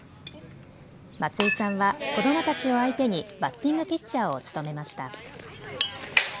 松井さんは子どもたちを相手にバッティングピッチャーを務めました。